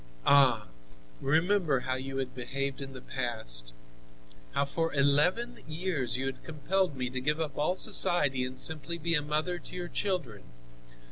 "Ah! Remember how you have behaved in the past! How for eleven years you have compelled me to give up all society and simply be a mother to your children.